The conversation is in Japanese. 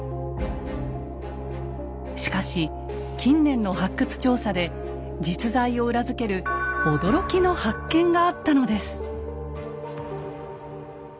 しかし近年の発掘調査で実在を裏付ける驚きの発見があったのです。